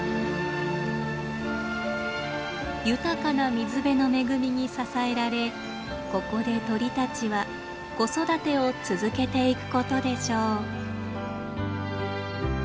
豊かな水辺の恵みに支えられここで鳥たちは子育てを続けていくことでしょう。